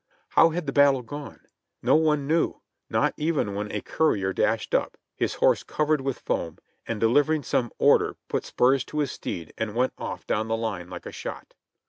How had the battle gone? None knew, not even when a cour ier dashed up, his horse covered with foam, and delivering some order put spurs to his steed and went off down the line like a shot.